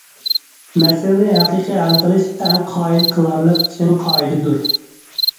مەسىلىنى ھەقىقىي ھەل قىلىش ئەڭ قايىل قىلارلىق چىڭ قائىدىدۇر.